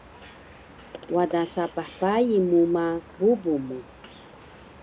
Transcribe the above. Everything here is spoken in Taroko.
wada sapah pai mu ma bubu mu